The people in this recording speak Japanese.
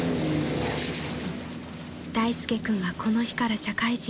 ［大介君はこの日から社会人］